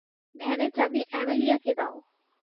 ভ্যানের চাবি অ্যামেলিয়াকে দাও।